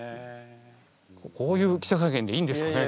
こういう記者会見でいいんですかね？